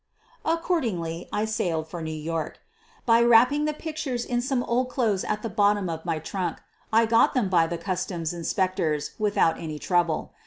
Accordingly I sailed for New York. By wrap ping the pictures in some old clothes at the bottom of my trunk, I got them by the customs inspectors without any trouble.